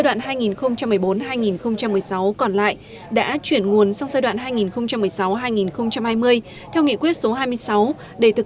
đoạn hai nghìn một mươi bốn hai nghìn một mươi sáu còn lại đã chuyển nguồn sang giai đoạn hai nghìn một mươi sáu hai nghìn hai mươi theo nghị quyết số hai mươi sáu để thực